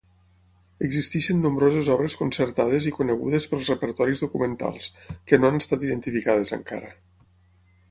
Existeixen nombroses obres concertades i conegudes pels repertoris documentals, que no han estat identificades encara.